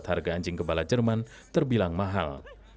harga anjing kepala jerman terbilang mahal